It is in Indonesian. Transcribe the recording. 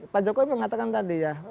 pak jokowi mengatakan tadi ya